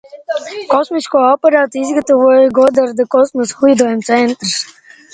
Kosmisko aparātu izgatavoja Godarda Kosmosa lidojumu centrs.